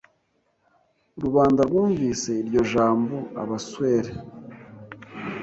Rubanda rwumvise iryo jambo abaswere